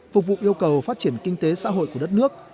phục vụ yêu cầu phát triển kinh tế xã hội của đất nước